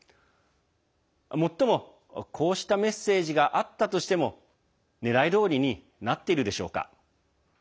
もっとも、こうしたメッセージがあったとしてもねらいどおりになっているでしょうか。